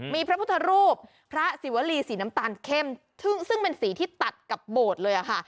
มีพระพุทธรูปพระศิวรีสีน้ำตาลเข้มซึ่งเป็นสีที่ตัดกับโบสถ์เลยค่ะ